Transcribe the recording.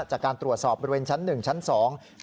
จากการตรวจสอบบริเวณชั้นหนึ่งชั้นสอง